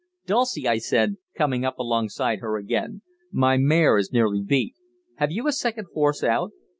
"Dulcie," I said, coming up alongside her again, "my mare is nearly beat. Have you a second horse out?"